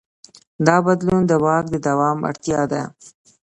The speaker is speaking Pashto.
دا بدلون د واک د دوام اړتیا ده.